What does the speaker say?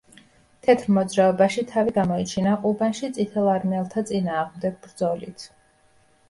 თეთრ მოძრაობაში თავი გამოიჩინა ყუბანში წითელარმიელთა წინააღმდეგ ბრძოლით.